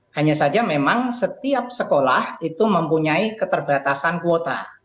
hanya saja memang setiap sekolah itu mempunyai keterbatasan kuota